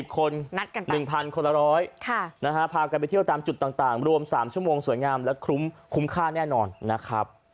๑๐๐คนละร้อยพากันไปเที่ยวตามจุดต่างรวม๓ชั่วโมงสวยงามและคุ้มค่าแน่นอนนะครับ